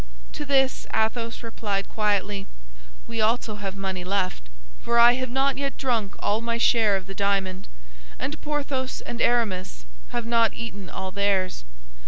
To this Athos replied quietly: "We also have money left—for I have not yet drunk all my share of the diamond, and Porthos and Aramis have not eaten all theirs.